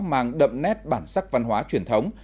mang đậm nét bản sắc văn hóa truyền thống